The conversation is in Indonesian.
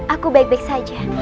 aku baik baik saja